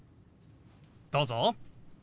どうぞ。